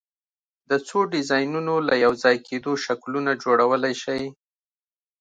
د څو ډیزاینونو له یو ځای کېدو شکلونه جوړولی شئ؟